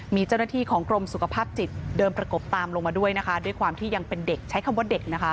มีเจ้าหน้าที่ของกรมสุขภาพจิตเดินประกบตามลงมาด้วยนะคะด้วยความที่ยังเป็นเด็กใช้คำว่าเด็กนะคะ